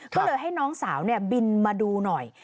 ก็เลยให้น้องสาวบินมาดูหน่อย